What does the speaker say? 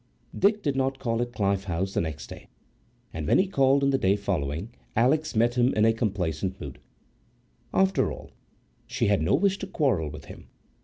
Dick did not call at Clyffe House the next day, and when he called on the day following, Alix met him in a complaisant mood. After all, she had no wish to quarrel with him.